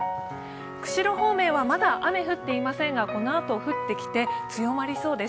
釧路方面はまだ雨が降っていませんがこのあと、降ってきて強まりそうです。